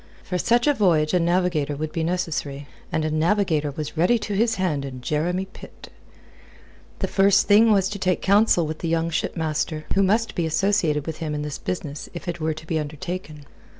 For such a voyage a navigator would be necessary, and a navigator was ready to his hand in Jeremy Pitt. The first thing was to take counsel with the young shipmaster, who must be associated with him in this business if it were to be undertaken.